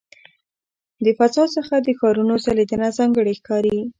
د فضا څخه د ښارونو ځلېدنه ځانګړې ښکاري.